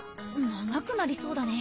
長くなりそうだね。